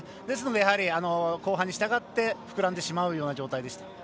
ですので後半にいくにしたがって膨らんでしまう状態でした。